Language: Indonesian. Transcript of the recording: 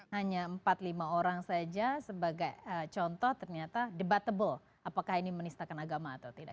hanya empat lima orang saja sebagai contoh ternyata debatable apakah ini menistakan agama atau tidak